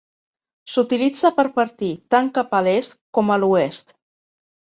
S'utilitza per partir tant cap a l'est com a l'oest.